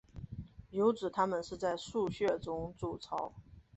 有指它们是在树穴中筑巢。